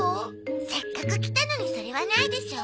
せっかく来たのにそれはないでしょ。